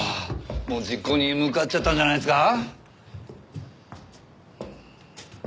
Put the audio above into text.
もう実行に向かっちゃったんじゃないですか？